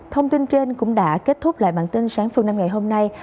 thông tin trên cũng đã kết thúc lại bản tin sáng phương nam ngày hôm nay